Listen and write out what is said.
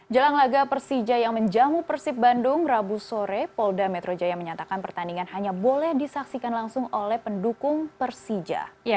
jelang laga persija yang menjamu persib bandung rabu sore polda metro jaya menyatakan pertandingan hanya boleh disaksikan langsung oleh pendukung persija